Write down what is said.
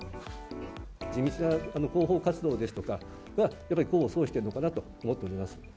地道な広報活動ですとかが、やっぱり功を奏しているのかなと思っております。